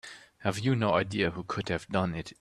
Have you no idea who could have done it?